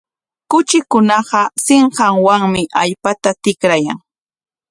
Kuchikunaqa sinqanwanmi allpata tikrayan.